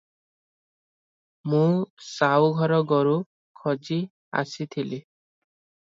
ମୁଁ ସାଉଘର ଗୋରୁ ଖୋଜି ଆସିଥିଲି ।